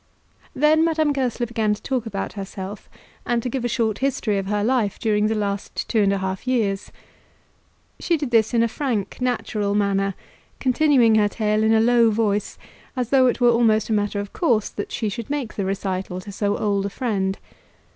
Then Madame Goesler began to talk about herself, and to give a short history of her life during the last two and a half years. She did this in a frank natural manner, continuing her tale in a low voice, as though it were almost a matter of course that she should make the recital to so old a friend.